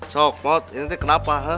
sok mot ini tuh kenapa